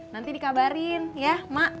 nanti dikabarin ya mak